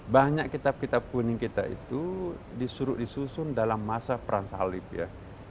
banyak kitab kitab kuning kita itu disuruh disusun dalam masa perang salib ya